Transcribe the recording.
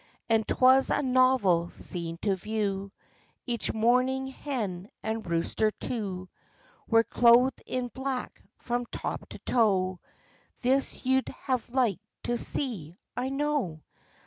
And 'twas a novel scene to view: Each mourning hen and rooster too Were clothed in black from top to toe; This you'd have liked to see, I know.